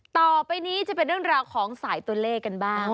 ต่อไปนี้จะเป็นเรื่องราวของสายตัวเลขกันบ้าง